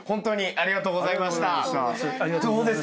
ありがとうございます。